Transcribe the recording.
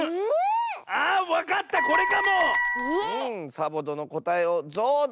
サボどのこたえをぞうど！